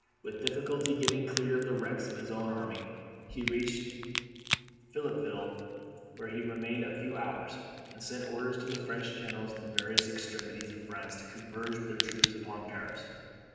With difficulty getting clear of the wrecks of his own army, he reached Philippeville, where he remained a few hours, and sent orders to the French generals in the various extremities of France to converge with their troops upon Paris.